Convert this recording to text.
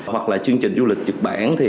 hoặc là chương trình du lịch nhật bản